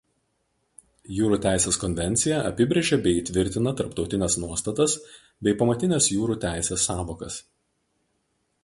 Jūrų teisės konvencija apibrėžia bei įtvirtina tarptautines nuostatas bei pamatines jūrų teisės sąvokas.